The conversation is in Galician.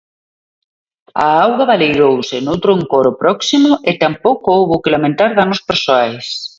A auga baleirouse noutro encoro próximo e tampouco houbo que lamentar danos persoais.